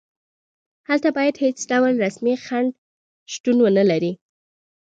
هلته باید هېڅ ډول رسمي خنډ شتون ونلري.